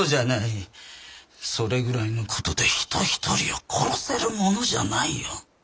それぐらいのことで人一人を殺せるものじゃないよ。